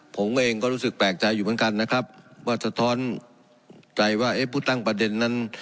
ผมเองก็รู้สึกแปลกใจอยู่เหมือนกันนะครับว่าสะท้อนใจว่าเอ๊ะผู้ตั้งประเด็นนั้น